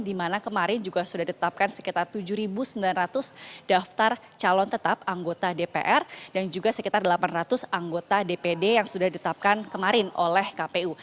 dimana kemarin juga sudah ditetapkan sekitar tujuh sembilan ratus daftar calon tetap anggota dpr dan juga sekitar delapan ratus anggota dpd yang sudah ditetapkan kemarin oleh kpu